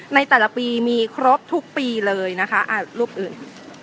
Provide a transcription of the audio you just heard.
ในแต่ละปีมีครบทุกปีเลยนะคะรูปอื่น